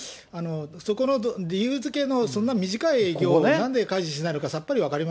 そこの理由付けの、そんな短い行をなんで開示しないのか、さっぱ